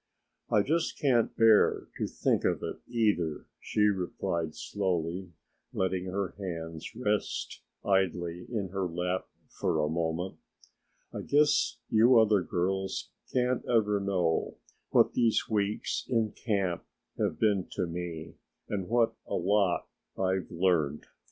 "I just can't bear to think of it either," she replied slowly, letting her hands rest idly in her lap for a moment. "I guess you other girls can't ever know what these weeks in camp have been to me and what a lot I've learned.